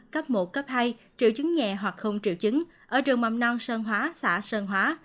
cấp một cấp hai triệu chứng nhẹ hoặc không triệu chứng ở trường mầm non sơn hóa xã sơn hóa